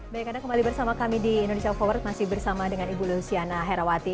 baik anda kembali bersama kami di indonesia forward masih bersama dengan ibu luciana herawati